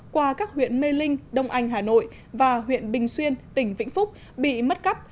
qua các huyện mê linh đông anh hà nội và huyện bình xuyên tỉnh vĩnh phúc bị mất cắp